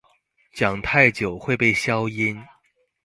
講太久會被消音